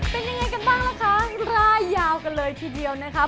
เป็นยังไงกันบ้างล่ะคะร่ายยาวกันเลยทีเดียวนะคะ